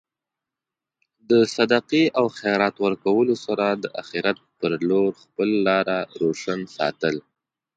د صدقې او خیرات ورکولو سره د اخرت په لور خپل لاره روشن ساتل.